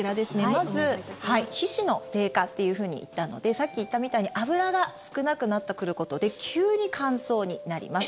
まず、皮脂の低下っていうふうに言ったのでさっき言ったみたいに脂が少なくなってくることで急に乾燥になります。